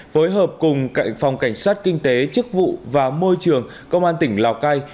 phối hợp cùng phòng cảnh sát kinh tế chức vụ và môi trường công an tỉnh lào cai